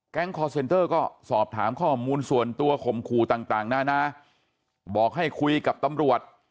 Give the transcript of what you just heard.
ก็สอบถามข้อมูลส่วนตัวขมครูต่างนะบอกให้คุยกับตำรวจ